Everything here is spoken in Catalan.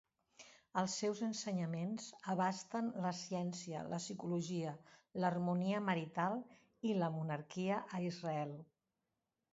Els seus ensenyaments abasten la ciència, la psicologia, l'harmonia marital i la monarquia a Israel.